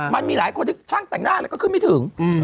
มันมีหลายคนที่ช่างแต่งหน้าแล้วก็ขึ้นไม่ถึง